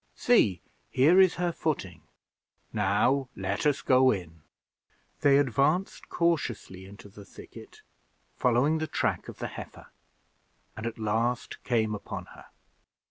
See, here is her footing. Now let us go in." They advanced cautiously into the thicket, following the track of the heifer, and at last came upon her.